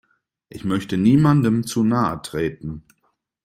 Ich möchte niemandem zu nahe treten.